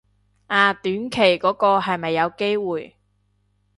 啊短期嗰個係咪有機會